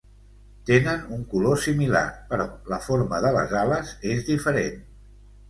Tenen un color similar, però la forma de les ales és diferent.